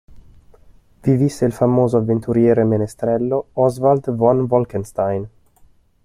Vi visse il famoso avventuriero e menestrello Oswald von Wolkenstein.